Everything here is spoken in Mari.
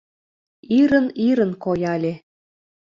Ирын-ирын кояле.